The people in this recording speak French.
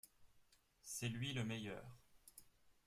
C’est lui le meilleur.